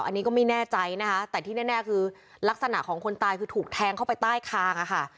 อันนี้ก็ไม่แน่ใจนะคะแต่ที่แน่คือลักษณะของคนตายคือถูกแทงเข้าไปใต้คางอะค่ะ